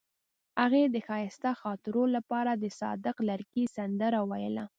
هغې د ښایسته خاطرو لپاره د صادق لرګی سندره ویله.